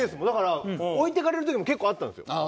だから置いてかれる時も結構あったんですよ。